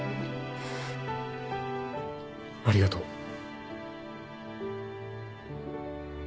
ありがとう。